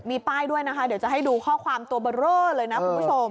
มีป้ายด้วยนะคะเดี๋ยวจะให้ดูข้อความตัวเบอร์เรอเลยนะคุณผู้ชม